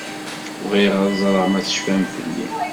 Bɣiɣ ad ẓreɣ ma tecfam fell-i.